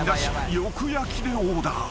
［よく焼きでオーダー］